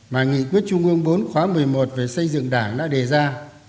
mà nghị quyết trung ương bốn khóa một mươi một về xây dựng đảng đã đề ra